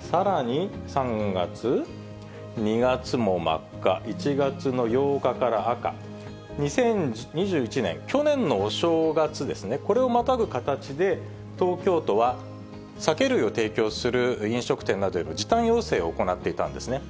さらに３月、２月も真っ赤、１月の８日から赤、２０２１年、去年のお正月ですね、これをまたぐ形で東京都は酒類を提供する飲食店などへの時短要請を行っていたんですね。